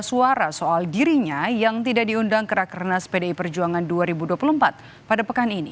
suara soal dirinya yang tidak diundang ke rakernas pdi perjuangan dua ribu dua puluh empat pada pekan ini